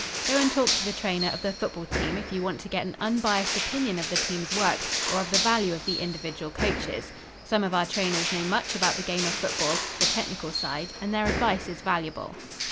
Go and talk to the trainer of the football team if you want to get an unbiased opinion of the team's work or of the value of the individual coaches. Some of our trainers know much about the game of football the technical side and their advice is valuable.